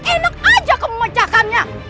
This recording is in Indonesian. inuk aja aku memecahkannya